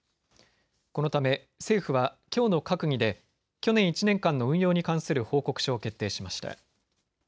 このため政府はきょうの閣議で去年１年間の運用に関する報告書を決定しました。